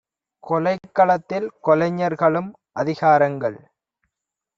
கொலைக்களத்தில் கொலைஞர்களும் அதிகா ரங்கள்